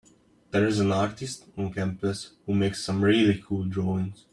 There’s an artist on campus who makes some really cool drawings.